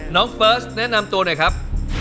เฟิร์สแนะนำตัวหน่อยครับ